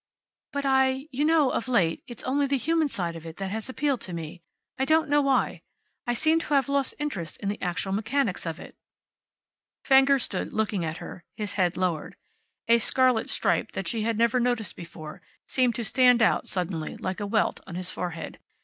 "But I you know, of late, it's only the human side of it that has appealed to me. I don't know why. I seem to have lost interest in the actual mechanics of it." Fenger stood looking at her, his head lowered. A scarlet stripe, that she had never noticed before, seemed to stand out suddenly, like a welt, on his forehead.